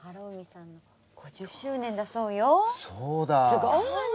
すごいわね！